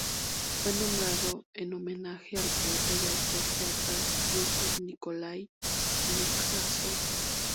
Fue nombrado en homenaje al poeta y autor teatral ruso Nikolái Nekrásov.